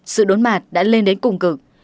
sự đốn mạt đã lên đến cùng cực